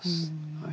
はい。